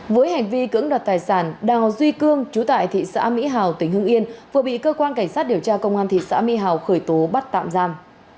với hành vi cưỡng đoạt tài sản đào duy cương chú tại thị xã mỹ hào tỉnh hưng yên vừa bị cơ quan cảnh sát điều tra công an thị xã mỹ hào khởi tố bắt tạm giam